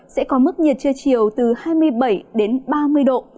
sẽ có mức nhiệt trưa chiều từ hai mươi bảy đến ba mươi độ